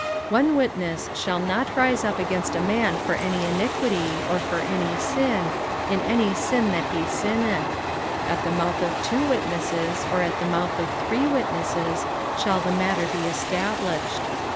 05:019:015 One witness shall not rise up against a man for any iniquity, or for any sin, in any sin that he sinneth: at the mouth of two witnesses, or at the mouth of three witnesses, shall the matter be established.